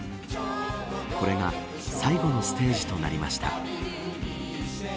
これが最後のステージとなりました。